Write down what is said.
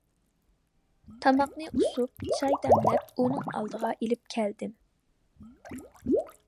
تاماقنى ئۇسۇپ، چاي دەملەپ ئۇنىڭ ئالدىغا ئېلىپ كەلدىم.